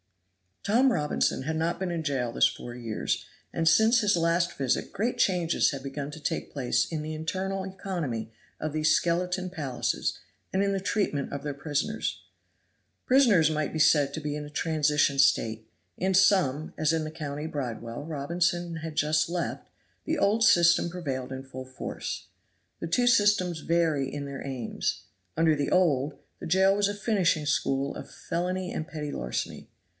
Tom Robinson had not been in jail this four years, and, since his last visit great changes had begun to take place in the internal economy of these skeleton palaces and in the treatment of their prisoners. Prisons might be said to be in a transition state. In some, as in the county bridewell Robinson had just left, the old system prevailed in full force. The two systems vary in their aims. Under the old, the jail was a finishing school of felony and petty larceny.